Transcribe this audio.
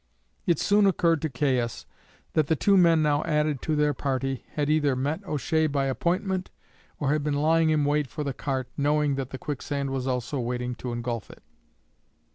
It soon occurred to Caius that the two men now added to their party had either met O'Shea by appointment, or had been lying in wait for the cart, knowing that the quicksand was also waiting to engulf it.